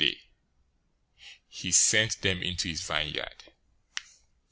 } a day, he sent them into his vineyard.